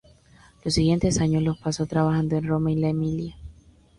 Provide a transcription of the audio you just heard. Los siguientes años los pasó trabajando en Roma y la Emilia.